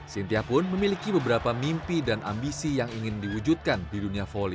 cynthia pun memiliki beberapa mimpi dan ambisi yang ingin diwujudkan di dunia volley